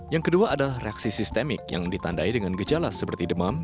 yang kedua adalah reaksi sistemik yang ditandai dengan gejala seperti demam